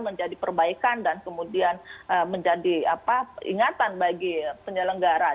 menjadi perbaikan dan kemudian menjadi ingatan bagi penyelenggara